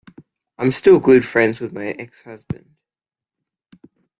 I'm still good friends with my ex-husband.